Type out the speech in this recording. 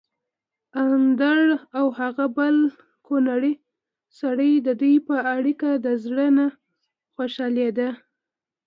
اندړ او هغه بل کونړی سړی ددوی په اړېکه د زړه نه خوشحاليدل